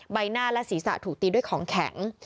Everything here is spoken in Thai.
ใบหน้าและศีรษะถูกตีด้วยของแข็ง